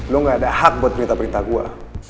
lo gak ada hak buat berita berita gue